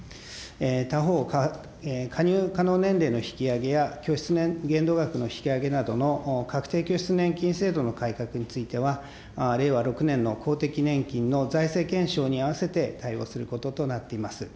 他方、加入可能年齢の引き上げや、拠出限度額の引き上げなどの確定拠出年金制度の改革については、令和６年の公的年金の財政検証に併せて対応することとなっています。